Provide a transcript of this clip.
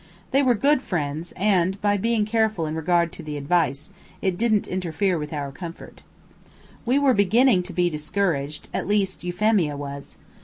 They were good friends and, by being careful in regard to the advice, it didn't interfere with our comfort. We were beginning to be discouraged, at least Euphemia was.